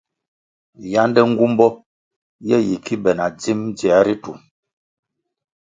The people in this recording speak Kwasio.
Yánde nğumbo ye yi ki be na dzim dzier ritu.